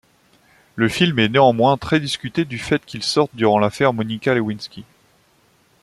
Le film est néanmoins très discuté du fait qu'il sorte durant l'affaire Monica Lewinsky.